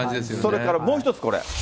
それからもう一つこれ。